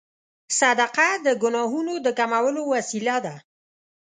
صدقه د ګناهونو د کمولو وسیله ده.